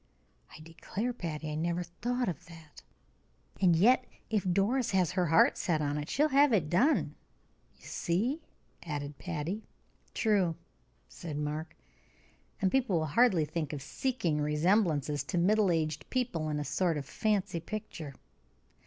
"I declare, Patty, I never thought of that." "And yet, if Doris has set her heart on it, she'll have it done you see," added Patty. "True," said Mark. "And people will hardly think of seeking resemblances to middle aged people in a sort of fancy picture.